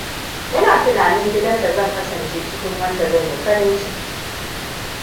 Ina tunanin gidan da zan kasance cikin wanda zanyi farin ciki.